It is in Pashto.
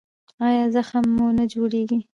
ایا زخم مو نه جوړیږي؟